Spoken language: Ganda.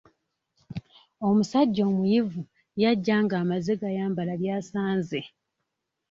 Omusajja omuyivu yajja ng'amaze gambala by'asanze.